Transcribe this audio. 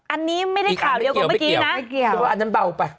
อันนี้ไม่ได้ข่าวเดียวกว่าเมื่อกี้นะอันนั้นเบาไป